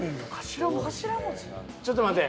ちょっと待て。